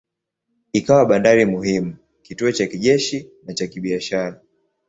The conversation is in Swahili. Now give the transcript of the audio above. Ikawa bandari muhimu, kituo cha kijeshi na cha kibiashara.